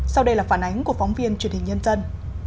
sau đây là phản ánh của phóng viên truyền hình nhân dân